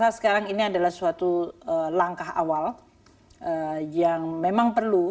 karena sekarang ini adalah suatu langkah awal yang memang perlu